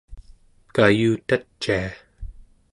kayutacia